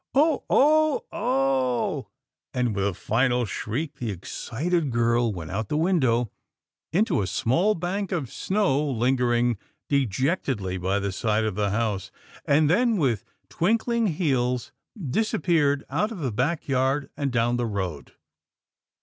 Oh ! Oh ! Oh !" and, with a final shriek, the excited girl went out the window into a small bank of snow lingering dejectedly by the side of the house, and then with twinkling heels dis appeared out of the back yard and down the road.